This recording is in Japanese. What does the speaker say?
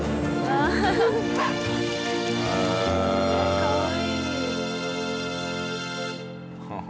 かわいい。